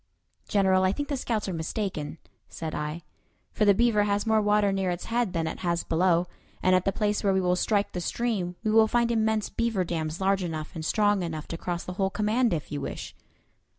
"General, I think the scouts are mistaken," said I, "for the Beaver has more water near its head than it has below; and at the place where we will strike the stream we will find immense beaver dams, large enough and strong enough to cross the whole command, if you wish."